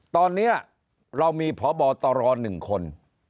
ตอนนี้เรามีพบตร๑คน